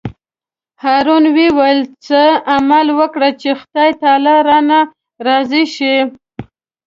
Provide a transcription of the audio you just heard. هارون وویل: څه عمل وکړم چې خدای تعالی رانه راضي شي.